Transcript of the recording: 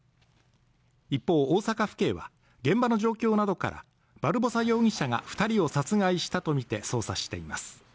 一方大阪府警は現場の状況などからバルボサ容疑者が二人を殺害したとみて捜査しています